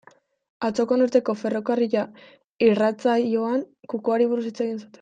Atzoko Norteko Ferrokarrila irratsaioan, kukuari buruz hitz egin zuten.